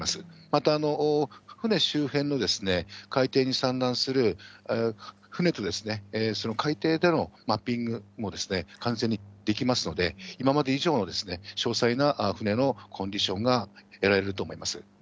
また、船周辺の海底に散乱する船と、その海底でのマッピングも完全にできますので、今まで以上の詳細な船のコンディションが得られると思います。